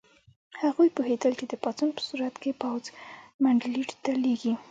هغوی پوهېدل چې د پاڅون په صورت کې پوځ منډلینډ ته لېږي.